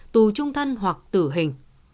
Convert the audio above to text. tù trung thân hoặc tử hình